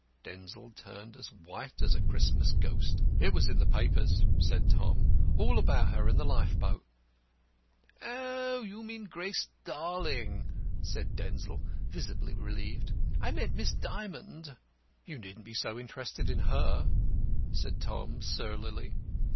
Denzil turned as white as a Christmas ghost. "It was in the papers," said Tom; "all about her and the lifeboat." "Oh, you mean Grace Darling," said Denzil, visibly relieved. "I meant Miss Dymond." "You needn't be so interested in her," said Tom surlily.